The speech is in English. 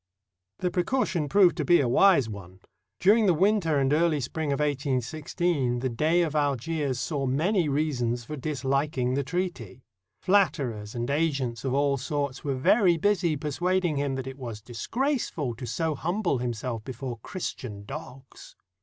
The precaution proved to be a wise one. During the winter and early spring of 1816 the Dey of Algiers saw many reasons for disHking the treaty. Flatterers and agents of all sorts were very busy persuading him that it was disgraceful to so humble himself before Christian dogs.